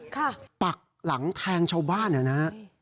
ค่ะปักหลังแทงชาวบ้านเหรอนะ